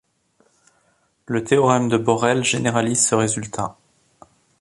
Le théorème de Borel généralise ce résultat.